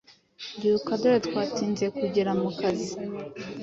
byuka dore twatinze kugera mukazi